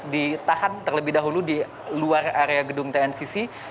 ditahan terlebih dahulu di luar area gedung tncc